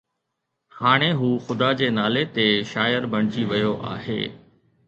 هاڻي هو خدا جي نالي تي شاعر بڻجي ويو آهي